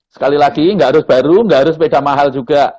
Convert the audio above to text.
sekali lagi nggak harus baru nggak harus sepeda mahal juga